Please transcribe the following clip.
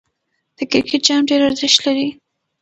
د کرکټ جام ډېر ارزښت لري.